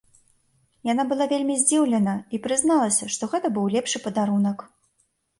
Яна была вельмі здзіўлена і прызналася, што гэта быў лепшы падарунак.